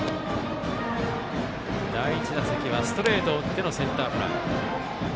第１打席はストレートを打ってのセンターフライ。